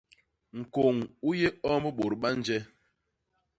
Ñkôñ u yé omb bôt ba nje.